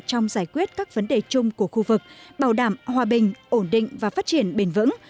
trong giải quyết các vấn đề chung của khu vực bảo đảm hòa bình ổn định và phát triển bền vững